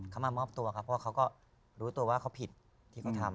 เขามามอบตัวครับเพราะเขาก็รู้ตัวว่าเขาผิดที่เขาทำ